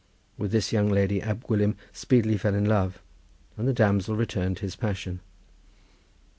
With this young lady Ab Gwilym speedily fell in love, and the damsel returned his passion.